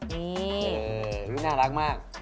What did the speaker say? นี่น่ารักมาก